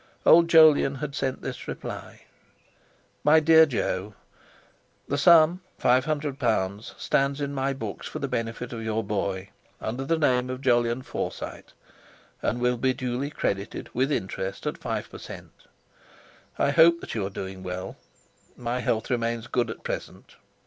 Old Jolyon had sent this reply: "MY DEAR JO, "The sum (£500) stands in my books for the benefit of your boy, under the name of Jolyon Forsyte, and will be duly credited with interest at 5 per cent. I hope that you are doing well. My health remains good at present.